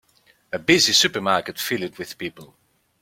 A busy supermarket filled with people.